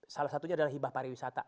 salah satunya adalah hibah pariwisata